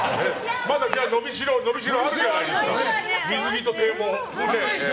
まだ伸びしろはあるじゃないですか水着と抵抗。